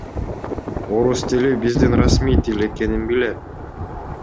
Орус тили биздин расмий тил экенин билем.